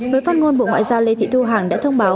người phát ngôn bộ ngoại giao lê thị thu hằng đã thông báo